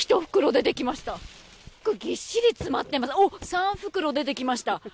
３袋出てきました。